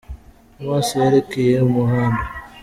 Amaso yerekeye umuhanda.